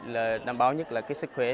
là đảm bảo nhất là cái sức khỏe